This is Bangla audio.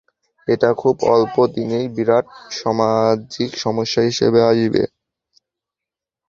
এটা খুব অল্প দিনেই বিরাট সামাজিক সমস্যা হিসেবে আসবে।